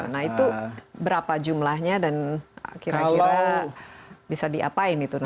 nah itu berapa jumlahnya dan kira kira bisa diapain itu